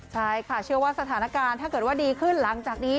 ใช่ค่ะเชื่อว่าสถานการณ์ถ้าเกิดว่าดีขึ้นหลังจากนี้